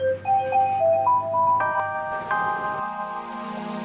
nak jemput dipawahi